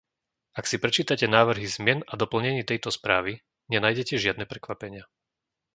Ak si prečítate návrhy zmien a doplnení tejto správy, nenájdete žiadne prekvapenia.